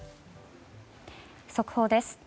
速報です。